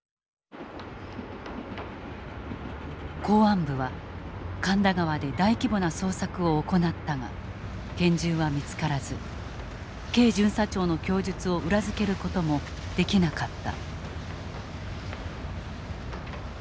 公安部は神田川で大規模な捜索を行ったがけん銃は見つからずＫ巡査長の供述を裏付ける事もできなかった。